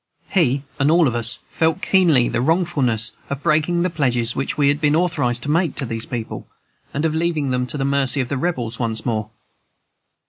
He and all of us felt keenly the wrongfulness of breaking the pledges which we had been authorized to make to these people, and of leaving them to the mercy of the Rebels once more.